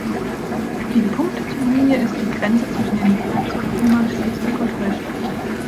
Die gepunktete Linie ist die Grenze zwischen den Herzogtümern Schleswig und Holstein.